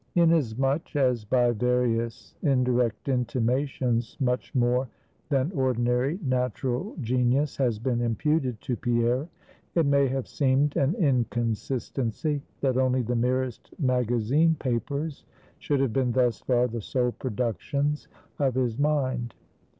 Inasmuch as by various indirect intimations much more than ordinary natural genius has been imputed to Pierre, it may have seemed an inconsistency, that only the merest magazine papers should have been thus far the sole productions of his mind.